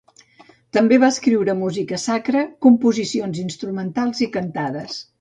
També va escriure música sacra, composicions instrumentals i cantates.